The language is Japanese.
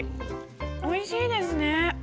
おいしいですね！